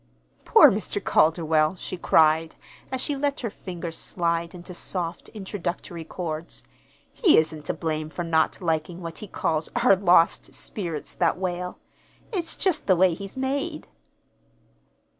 "Poor Mr. Calderwell," she cried, as she let her fingers slide into soft, introductory chords. "He isn't to blame for not liking what he calls our lost spirits that wail. It's just the way he's made."